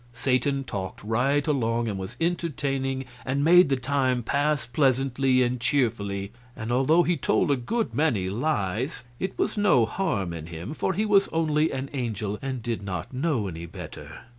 Satan talked right along, and was entertaining, and made the time pass pleasantly and cheerfully; and although he told a good many lies, it was no harm in him, for he was only an angel and did not know any better.